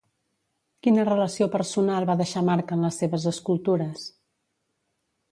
Quina relació personal va deixar marca en les seves escultures?